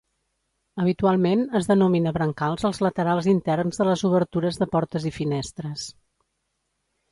Habitualment, es denomina brancals als laterals interns de les obertures de portes i finestres.